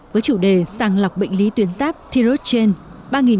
với chủ đề sàng lọc bệnh lý tuyến giáp thyroid chain